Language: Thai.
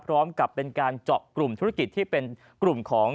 พร้อมกับเป็นการเจาะกลุ่มธุรกิจที่เป็นกลุ่มของ